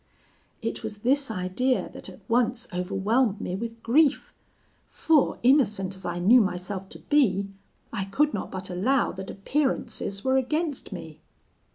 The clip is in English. It was this idea that at once overwhelmed me with grief; for, innocent as I knew myself to be, I could not but allow that appearances were against me.